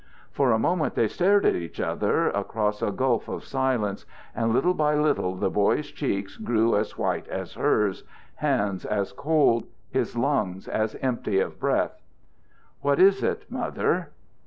For a moment they stared at each other across a gulf of silence, and little by little the boy's cheeks grew as white as hers, his hands as cold, his lungs as empty of breath. "What is it, Mother?"